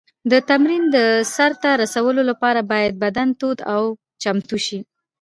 د تمرین د سر ته رسولو لپاره باید بدن تود او چمتو شي.